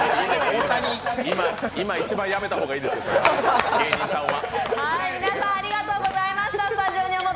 今、一番やめた方がいいですよ、芸人さんは。